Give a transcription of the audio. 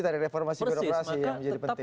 tadi reformasi birokrasi yang menjadi penting